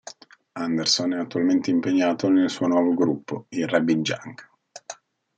Anderson è attualmente impegnato nel suo nuovo gruppo, i Rabbit Junk.